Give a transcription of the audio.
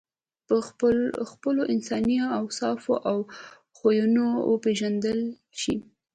په خپلو انساني اوصافو او خویونو وپېژندل شې.